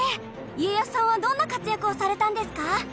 家康さんはどんな活躍をされたんですか？